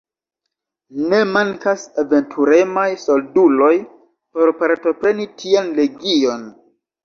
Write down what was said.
Ne mankas aventuremaj solduloj por partopreni tian legion.